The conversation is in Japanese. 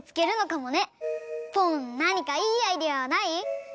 ポンなにかいいアイデアはない？